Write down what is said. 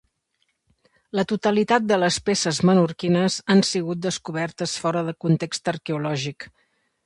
La totalitat de les peces menorquines han sigut descobertes fora de context arqueològic.